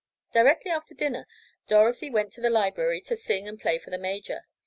Directly after dinner Dorothy went to the library to sing and play for the major.